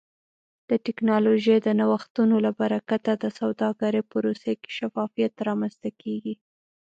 د ټکنالوژۍ د نوښتونو له برکته د سوداګرۍ پروسې کې شفافیت رامنځته کیږي.